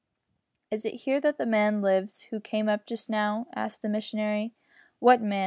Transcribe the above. "Is it here that the man lives who came up just now?" asked the missionary. "What man?"